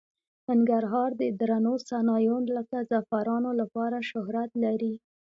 ننګرهار د درنو صنایعو لکه زعفرانو لپاره شهرت لري.